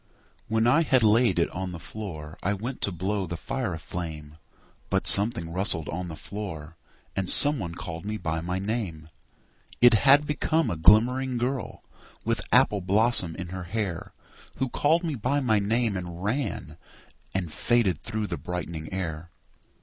When I had laid it on the floor I went to blow the fire aflame, But something rustled on the floor, And some one called me by my name: It had become a glimmering girl With apple blossom in her hair Who called me by my name and ran And faded through the brightening air.